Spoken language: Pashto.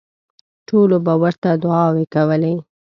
ټولو به ورته دوعاوې کولې.